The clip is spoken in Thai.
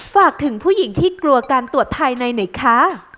ฝากถึงผู้หญิงที่กลัวการตรวจภายในหน่อยคะ